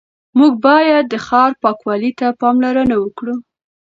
موږ باید د ښار پاکوالي ته پاملرنه وکړو